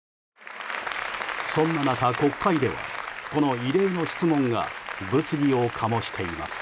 そんな中、国会ではこの異例の質問が物議を醸しています。